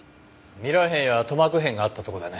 ミラー片や塗膜片があったとこだね。